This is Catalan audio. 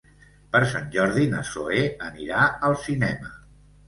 Per Sant Jordi na Zoè anirà al cinema.